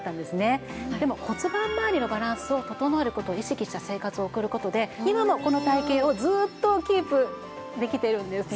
でも骨盤まわりのバランスを整える事を意識した生活を送る事で今のこの体形をずっとキープできてるんですね。